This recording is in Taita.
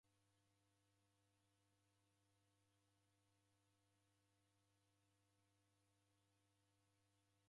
W'aja w'ighesherogje kukaia w'ahalifu w'alekerelwa.